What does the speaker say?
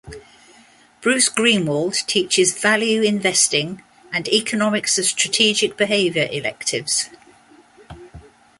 Bruce Greenwald teaches Value Investing and Economics of Strategic Behavior electives.